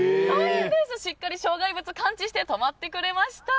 しっかり障害物を感知して止まってくれました。